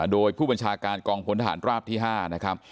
โดยผู้บัญชาการกองพลทหารราบที่๕นะครับ